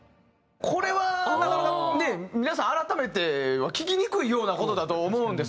これはなかなかね皆さん改めては聞きにくいような事だと思うんです。